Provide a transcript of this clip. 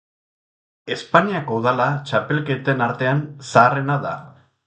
Espainiako udako txapelketen arteko zaharrena da.